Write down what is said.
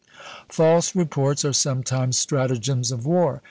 False reports are sometimes stratagems of war.